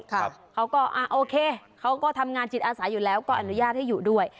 เขาก็อ่าโอเคเขาก็ทำงานจิตอาสาอยู่แล้วก็อนุญาตให้อยู่ด้วย